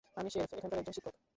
আমি স্রেফ এখানকার একজন শিক্ষক।